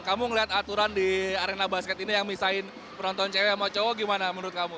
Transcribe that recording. kamu ngeliat aturan di arena basket ini yang misahin penonton cewek sama cowok gimana menurut kamu